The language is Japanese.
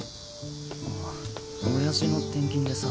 ああオヤジの転勤でさ。